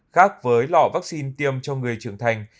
khác với lọ vắc xin tiêm cho người trưởng thành